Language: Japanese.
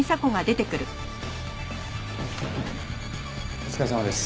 お疲れさまです。